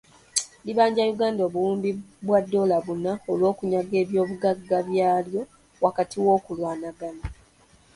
Libanja Uganda obuwumbi bwa ddoola buna olw’okunyaga ebyobugagga byalyo wakati w’okulwanagana.